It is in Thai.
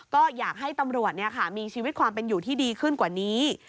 ก็อยากให้ตำรวจมีชีวิตความเป็นอยู่ที่ดีขึ้นกว่านี้